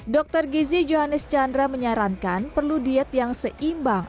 dr gizi johannes chandra menyarankan perlu diet yang seimbang